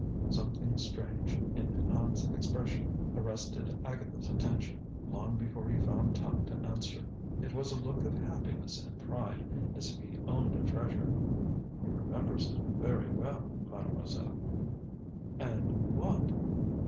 Something strange in Hand's expression arrested Agatha's attention, long before he found tongue to answer. It was a look of happiness and pride, as if he owned a treasure. "He remembers very well, Mademoiselle." "And what